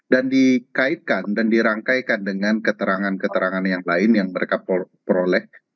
dan dikaitkan dan dirangkaikan dengan keterangan keterangan yang lain yang mereka peroleh